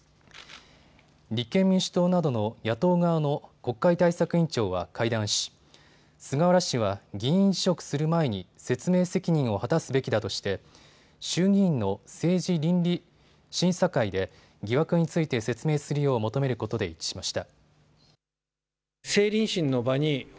立憲民主党などの野党側の国会対策委員長は会談し菅原氏は議員辞職する前に説明責任を果たすべきだとして衆議院の政治倫理審査会で疑惑について説明するよう求めることで一致しました。